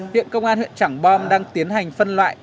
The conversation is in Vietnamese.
hiện công an huyện trảng bom đang tiến hành phân loại